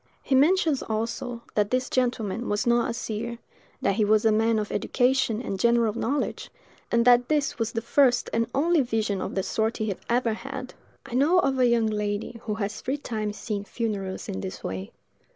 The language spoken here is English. He mentions, also, that this gentleman was not a seer; that he was a man of education and general knowledge; and that this was the first and only vision of the sort he ever had. I know of a young lady who has three times seen funerals in this way.